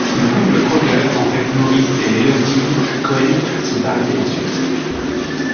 Le couple Kroger, en fait Morris et Leontine Cohen, sont arrêtés ensuite.